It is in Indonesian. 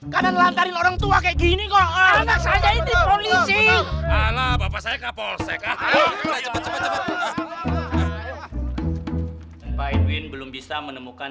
pak edwin belum bisa menemukan